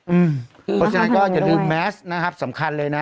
อืมความสำคัญก็อย่าลืมแมสนะครับสำคัญเลยนะ